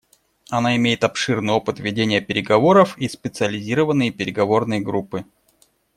Она имеет обширный опыт ведения переговоров и специализированные переговорные группы.